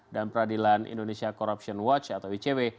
peradilan indonesia corruption watch atau icw